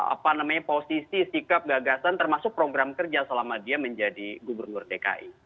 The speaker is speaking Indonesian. apa namanya posisi sikap gagasan termasuk program kerja selama dia menjadi gubernur dki